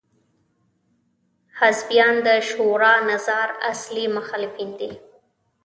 حزبیان د شورا نظار اصلي مخالفین دي.